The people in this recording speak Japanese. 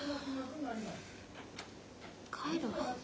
帰るわ。